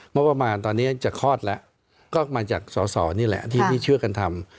ประมาณตอนนี้จะคลอดแล้วก็มาจากสอสอนี่แหละที่ช่วยกันทำ